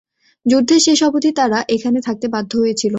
যুদ্ধের শেষ অবধি তারা এখানে থাকতে বাধ্য হয়েছিল।